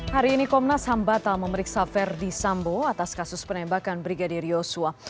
hari ini komnas ham batal memeriksa verdi sambo atas kasus penembakan brigadir yosua